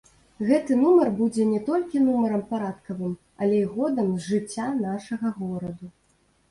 Гэты нумар будзе не толькі нумарам парадкавым, але і годам з жыцця нашага гораду.